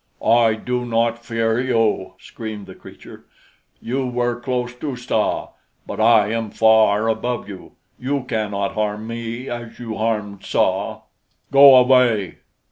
"I do not fear you," screamed the creature. "You were close to Tsa; but I am far above you. You cannot harm me as you harmed Tsa. Go away!"